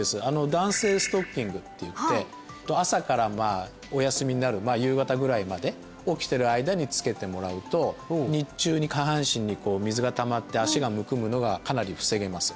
弾性ストッキングっていって朝からお休みになる夕方ぐらいまで起きてる間に着けてもらうと日中に下半身に水がたまって足がむくむのがかなり防げます